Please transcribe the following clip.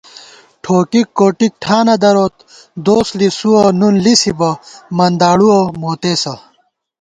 ٹھوکِک کوٹِک ٹھانہ دروت، دوس لِسُوَہ نُون لِسِبہ، منداڑُوَہ موتېسہ